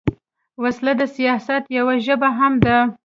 وسله د سیاست یوه ژبه هم ده